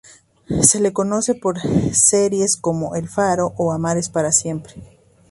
Se la conoce por series como "El faro" o "Amar es para siempre".